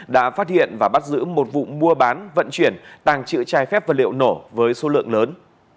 đã phát hiện và bắt giữ một vụ mua bán vận chuyển tàng trữ trái phép vật liệu nổ với số lượng lớn